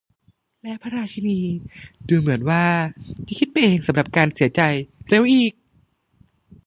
และพระราชินีดูเหมือนว่าจะคิดไปเองสำหรับการเสียใจ เร็วอีก !